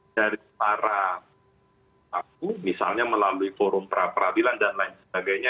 dari para pelaku misalnya melalui forum pra peradilan dan lain sebagainya